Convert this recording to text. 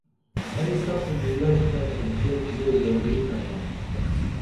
ائی سپون علج تہ احتیاط لے ضروری ڇمائم